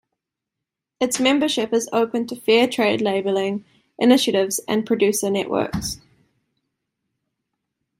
Its membership is open to Fairtrade labeling Initiatives and producer networks.